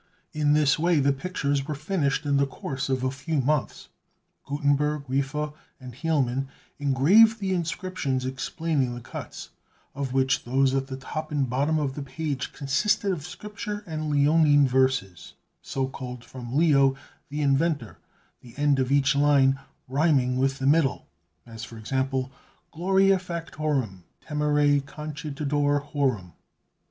In this way the pictures were finished in the course of a few months. Gutenberg, Riffe, and Hielman engraved the inscriptions explaining the cuts, of which those at the top and bottom of the page consisted of Scripture and Leonine verses, so called from Leo, the inventor, the end of each line rhyming with the middle, as for example: "Gloria factorum temere conceditur horum."